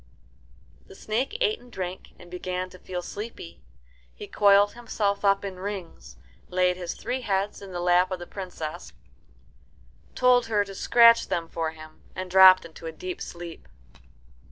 The snake ate and drank, and began to feel sleepy. He coiled himself up in rings, laid his three heads in the lap of the Princess, told her to scratch them for him, and dropped into a deep sleep.